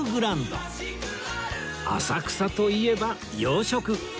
浅草といえば洋食！